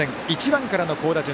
１番からの好打順。